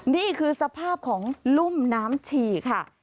นี่คือสภาพของรุ่มน้ำฉี่ค่ะ